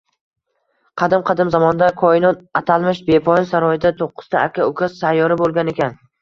Qadim-qadim zamonda Koinot atalmish bepoyon saroyda to'qqizta aka-uka sayyora boʻlgan ekan